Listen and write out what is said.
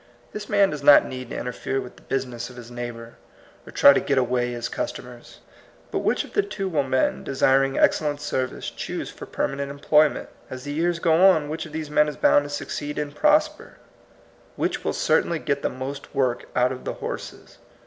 This man does not need to interfere with the business of his neighbor, or try to get away his customers. But which of the two will men, desiring excellent service, choose for permanent em ployment? As the years go on, which of these men is bound to succeed and pros per? Which will certainly get the most work out of the horses?